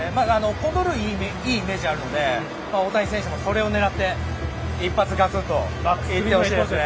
コントロールがいいイメージなので大谷選手もそれを狙って一発ガツンとＭＶＰを目指して。